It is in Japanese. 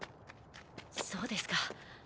そうですか。